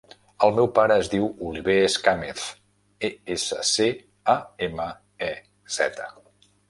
El meu pare es diu Oliver Escamez: e, essa, ce, a, ema, e, zeta.